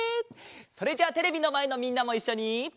それじゃあテレビのまえのみんなもいっしょに。